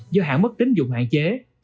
do hãng mất tính dùng hạn chế